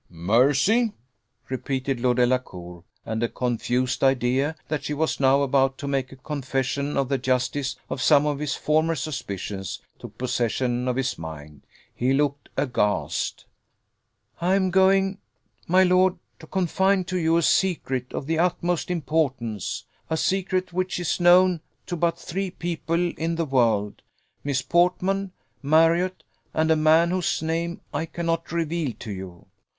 "Mercy!" repeated Lord Delacour; and a confused idea, that she was now about to make a confession of the justice of some of his former suspicions, took possession of his mind: he looked aghast. "I am going, my lord, to confide to you a secret of the utmost importance a secret which is known to but three people in the world Miss Portman, Marriott, and a man whose name I cannot reveal to you."